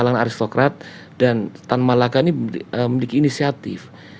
dan tan malaka ini memiliki inisiatif